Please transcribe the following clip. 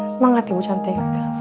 semangat ya ibu cantik